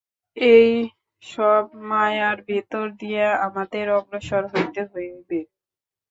এই সব মায়ার ভিতর দিয়া আমাদের অগ্রসর হইতে হইবে।